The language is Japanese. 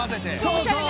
そうそう。